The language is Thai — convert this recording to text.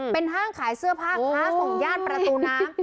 เป็นห้างขายเสื้อผ้าค้าส่งย่านประตูน้ำ